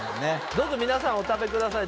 どうぞ皆さんお食べください